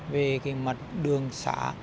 về cái mặt đường xã